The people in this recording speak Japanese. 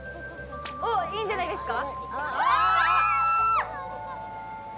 いいんじゃないですか。